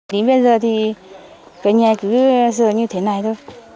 đến bây giờ thì cái nhà cứ rửa như thế này thôi